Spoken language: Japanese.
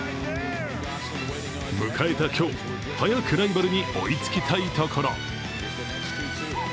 迎えた今日、早くライバルに追いつきたいところ。